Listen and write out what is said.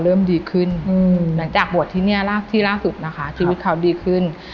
เริ่มดีขึ้นหลังจากบวชที่นี่ที่ล่าสุดนะคะชีวิตเขาดีขึ้น